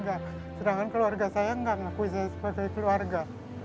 sedangkan keluarga saya nggak mengakui saya sebagai keluarga